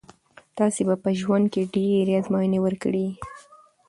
تاسي به په ژوند کښي ډېري آزمویني ورکړي يي.